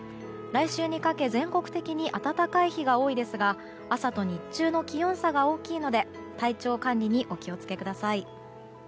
来週にかけ全国的に暖かい日が多いですが朝と日中の気温差が大きいので体調管理にお気を付けください。